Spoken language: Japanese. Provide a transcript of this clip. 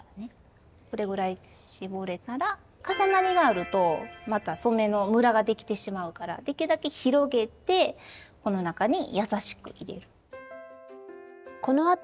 これぐらい絞れたら重なりがあるとまた染めのむらができてしまうからできるだけ広げてこの中に優しく入れる。